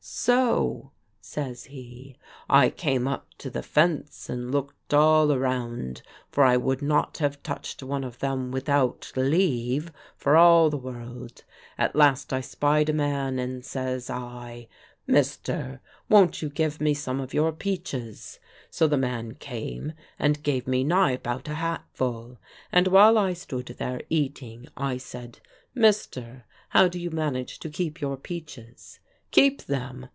"So," says he, "I came up to the fence and looked all around, for I would not have touched one of them without leave for all the world. At last I spied a man, and says I, 'Mister, won't you give me some of your peaches?' So the man came and gave me nigh about a hat full. And while I stood there eating, I said, 'Mister, how do you manage to keep your peaches?' 'Keep them!'